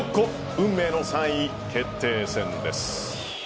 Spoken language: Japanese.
運命の３位決定戦です。